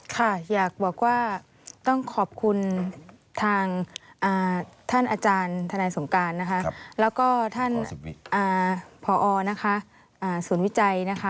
ค่ะอยากบอกว่าต้องขอบคุณทางท่านอาจารย์ธนายสมการแล้วก็ท่านพอสูญวิจัย